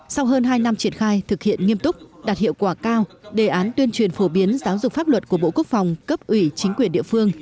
sau hơn hai năm triển khai thực hiện nghiêm túc đạt hiệu quả cao đề án tuyên truyền phổ biến giáo dục pháp luật của bộ quốc phòng cấp ủy chính quyền địa phương